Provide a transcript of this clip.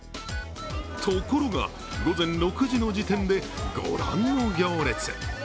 ところが、午前６時の時点でご覧の行列。